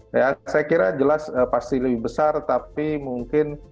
saya kira jelas pasti lebih besar tapi mungkin